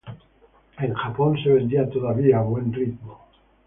En Japón, se vendía todavía a buen ritmo.